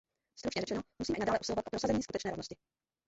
Stručně řečeno, musíme i nadále usilovat o prosazení skutečné rovnosti.